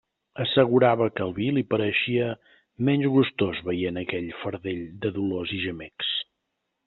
Assegurava que el vi li pareixia menys gustós veient aquell fardell de dolors i gemecs.